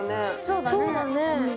そうだね。